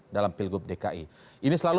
dalam pilgub dki ini selalu